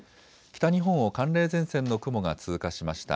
北日本を寒冷前線の雲が通過しました。